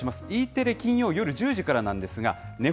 Ｅテレ金曜夜１０時からなんですが、ね